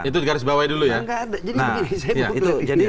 itu garis bawah dulu ya